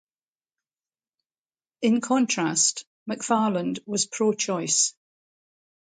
In contrast, McFarland was pro-choice.